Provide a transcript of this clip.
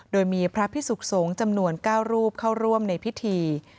โดยมีพระพิสุขสงฆ์จำนวน๙รูปเข้าร่วมในพิธี